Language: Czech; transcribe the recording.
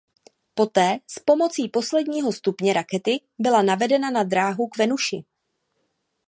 Poté s pomocí posledního stupně rakety byla navedena na dráhu k Venuši.